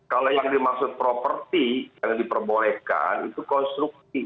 kalau yang dimaksud properti yang diperbolehkan itu konstruksi